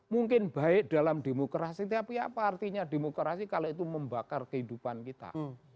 mungkin baik dalam demokrasi tapi apa artinya demokrasi kalau itu membakar kehidupan kita